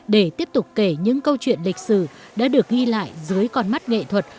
để tiếp tục kể những câu chuyện lịch sử đã được ghi lại dưới con mắt nghệ thuật